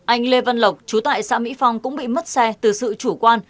anh lê văn lộc chú tại xã mỹ phong cũng bị mất xe từ sự chủ quan